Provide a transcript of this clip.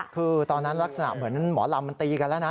คือตอนนั้นลักษณะเหมือนหมอลำมันตีกันแล้วนะ